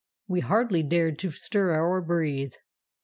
"We hardly dared to stir or breathe.